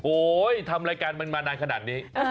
ทำรายการมันมานานขนาดนี้